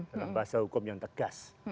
dalam bahasa hukum yang tegas